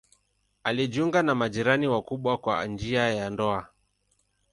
Alijiunga na majirani wakubwa kwa njia ya ndoa.